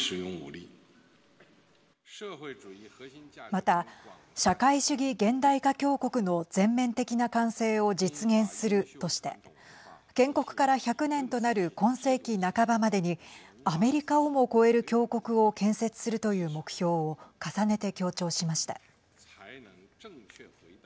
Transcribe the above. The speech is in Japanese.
また、社会主義現代化強国の全面的な完成を実現するとして建国から１００年となる今世紀半ばまでにアメリカをも超える強国を建設するという目標を重ねて強調しました。